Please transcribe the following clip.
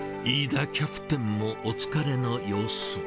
飯田キャプテンもお疲れの様子。